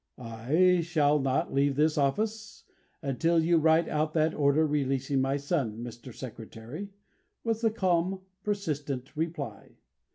"I shall not leave this office until you write out that order releasing my son, Mr. Secretary," was the calm, persistent reply.